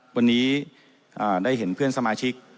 วันนี้ได้เห็นเพื่อนสมาชิก